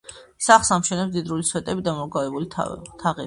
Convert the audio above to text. სახლს ამშვენებს მდიდრული სვეტები და მომრგვალებული თაღები.